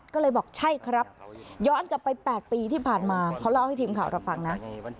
ก็เลยบอกใช่ครับย้อนกลับไป๘ปีที่ผ่านมาเขาเล่าให้ทีมข่าวเราฟังนะ